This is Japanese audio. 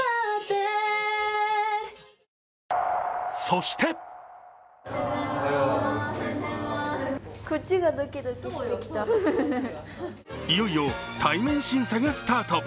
そしていよいよ対面審査がスタート。